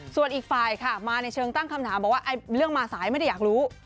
ส่วนอีกฝ่ายค่ะมาในเชิงตั้งคำถามบอกว่าเรื่องมาสายไม่ได้อยากรู้